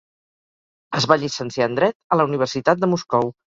Es va llicenciar en dret a la universitat de Moscou.